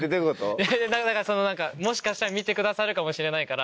もしかしたら見てくださるかもしれないから。